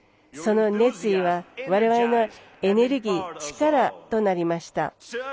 その熱意は、我々のエネルギー力となりました。